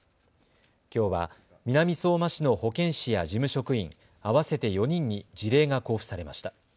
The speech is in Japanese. きょうは南相馬市の保健師や事務職員合わせて４人に辞令が交付されました。